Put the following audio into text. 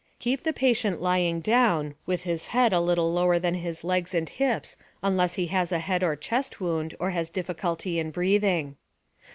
Keep the patient lying down, with his head a little lower than his legs and hips unless he has a head or chest wound, or has difficulty in breathing.